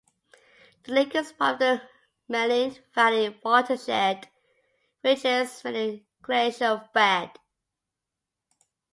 The lake is part of the Maligne Valley watershed which is mainly glacial fed.